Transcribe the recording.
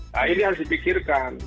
nah ini harus dipikirkan